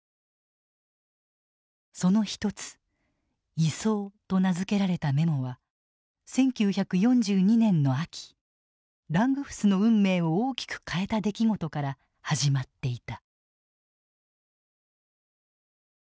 その一つ「移送」と名付けられたメモは１９４２年の秋ラングフスの運命を大きく変えた出来事から始まっていた。